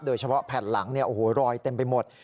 โดยเฉพาะแผ่นหลังเนี่ยโอ้โหรอยเต็มไปหมด